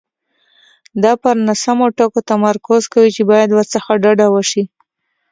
دا پر ناسمو ټکو تمرکز کوي چې باید ورڅخه ډډه وشي.